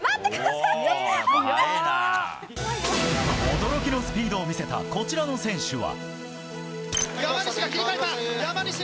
驚きのスピードを見せたこちらの選手は。